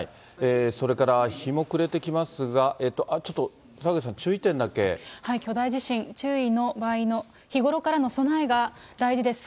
それから、日も暮れてきますが、ちょっと澤口さん、巨大地震、注意の場合の、日ごろからの備えが大事です。